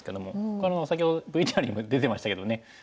これ先ほどＶＴＲにも出てましたけどね